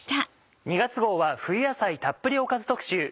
２月号は冬野菜たっぷりおかず特集。